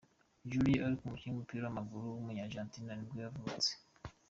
Julio Arca, umukinnyi w’umupira w’amaguru wo muri Argentine nibwo yavutse.